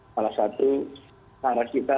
salah satu cara kita